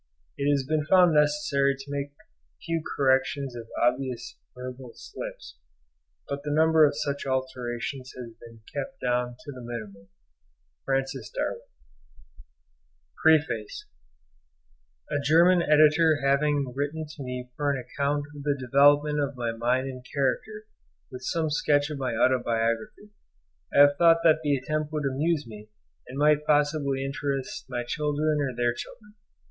It has been found necessary to make a few corrections of obvious verbal slips, but the number of such alterations has been kept down to the minimum.—F.D.] A German Editor having written to me for an account of the development of my mind and character with some sketch of my autobiography, I have thought that the attempt would amuse me, and might possibly interest my children or their children.